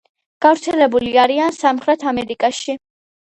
გავრცელებული არიან სამხრეთ ამერიკაში.